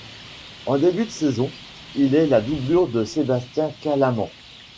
En début de saison, il est la doublure de Sébastien Callamand.